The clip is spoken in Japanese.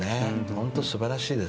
本当に素晴らしいです。